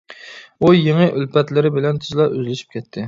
ئۇ يېڭى ئۈلپەتلىرى بىلەن تېزلا ئۆزلىشىپ كەتتى.